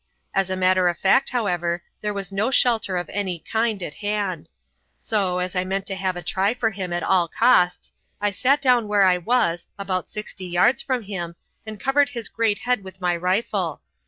As a matter of fact, however, there was no shelter of any kind at hand; so, as I meant to have a try for him at all costs, I sat down where I was, about sixty yards from him, and covered his great head with my rifle.